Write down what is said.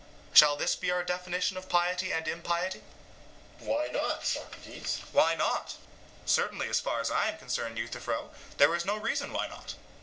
Shall this be our definition of piety and impiety? EUTHYPHRO: Why not, Socrates? SOCRATES: Why not! certainly, as far as I am concerned, Euthyphro, there is no reason why not.